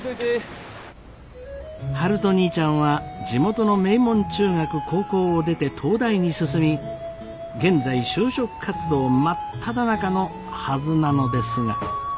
悠人兄ちゃんは地元の名門中学・高校を出て東大に進み現在就職活動真っただ中のはずなのですが。